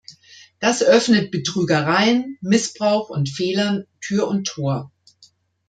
Das öffnet Betrügereien, Missbrauch und Fehlern Tür und Tor.